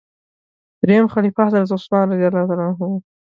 دریم خلیفه حضرت عثمان رض و.